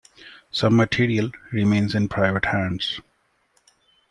Some material remains in private hands.